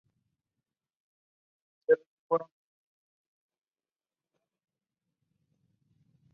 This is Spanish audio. Más tarde permaneció dos años en Unión Deportiva de Tres Lomas.